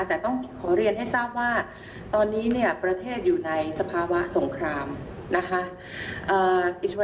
แต่ต้องขอเรียนให้ทราบว่าตอนนี้เนี่ยประเทศอยู่ในสภาวะสงครามนะคะ